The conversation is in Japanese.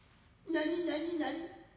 何何何。